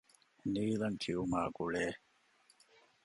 ނީލަން ކިޔުމާގުޅޭ